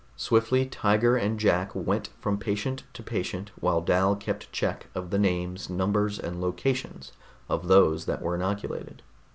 Swiftly Tiger and Jack went from patient to patient while Dal kept check of the names, numbers and locations of those that were inoculated.